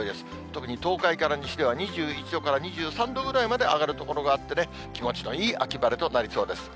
特に東海から西では２１度から２３度ぐらいまで上がる所があってね、気持ちのいい秋晴れとなりそうです。